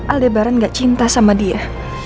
aldebaran gak cinta sama dia